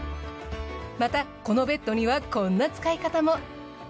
またこのベッドにはこんな使い方も。